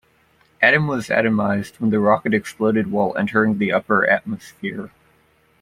Adam was atomized when the rocket exploded while entering the upper atmosphere.